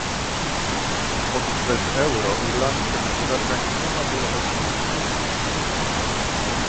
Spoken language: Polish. Otóż bez euro irlandzka gospodarka nie miałaby obecnie najmniejszej szansy